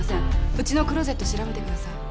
ウチのクロゼット調べてください。